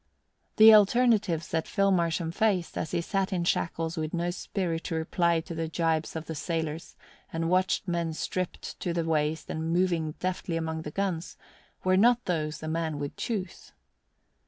The alternatives that Phil Marsham faced, as he sat in shackles with no spirit to reply to the jibes of the sailors and watched men stripped to the waist and moving deftly among the guns, were not those a man would choose.